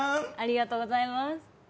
ありがとうございます。